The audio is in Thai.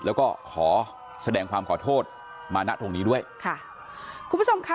แล้วก็ขอแสดงความขอโทษมาณตรงนี้ด้วยค่ะคุณผู้ชมค่ะ